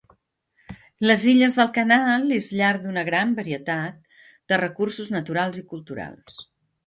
Les Illes del Canal és llar d'una gran varietat de recursos naturals i culturals.